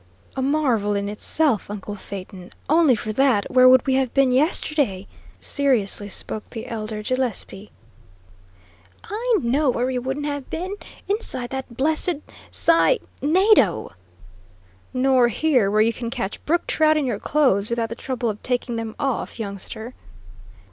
"A marvel in itself, uncle Phaeton. Only for that, where would we have been, yesterday?" seriously spoke the elder Gillespie. "I know where we wouldn't have been: inside that blessed cy nado!" "Nor here, where you can catch brook trout in your clothes without the trouble of taking them off, youngster."